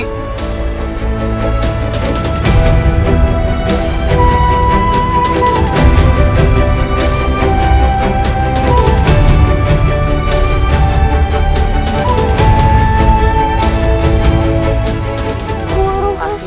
tidak ada apa apa